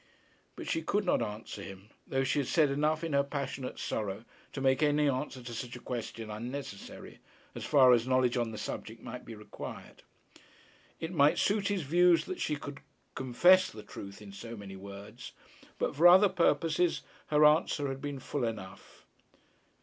But she could not answer him, though she had said enough in her passionate sorrow to make any answer to such a question unnecessary, as far as knowledge on the subject might be required. It might suit his views that she should confess the truth in so many words, but for other purpose her answer had been full enough.